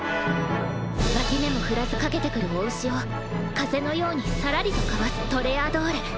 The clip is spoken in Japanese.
脇目も振らず駆けてくる雄牛を風のようにさらりとかわすトレアドール。